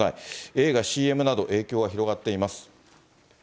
映画、ＣＭなど影響は広がっています。